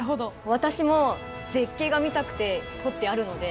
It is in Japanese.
私も絶景が見たくて取ってあるので。